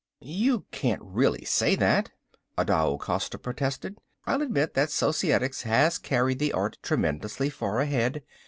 "You can't really say that," Adao Costa protested. "I'll admit that Societics has carried the art tremendously far ahead.